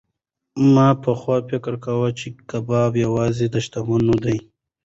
ما پخوا فکر کاوه چې کباب یوازې د شتمنو دی.